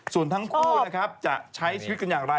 ส่วนทั้งคู่จะใช้ชีวิตเขินอย่างอะไร